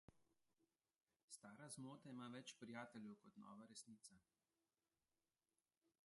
Stara zmota ima več prijateljev kot nova resnica.